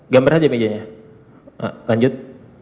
gambar saja mejanya lanjut